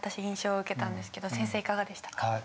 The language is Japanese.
印象を受けたんですけど先生いかがでしたか？